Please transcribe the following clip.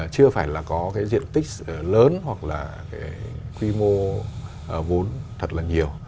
chưa phải là có cái diện tích lớn hoặc là cái quy mô vốn thật là nhiều